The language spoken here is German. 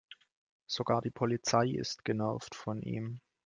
Sogar die Polizei ist genervt von ihm.